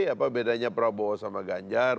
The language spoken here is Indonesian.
apa bedanya prabowo sama ganjar